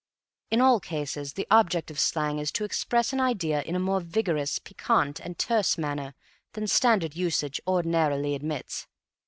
In all cases the object of slang is to express an idea in a more vigorous, piquant and terse manner than standard usage ordinarily admits.